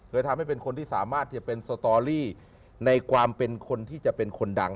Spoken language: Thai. ทำให้เป็นคนที่สามารถจะเป็นสตอรี่ในความเป็นคนที่จะเป็นคนดัง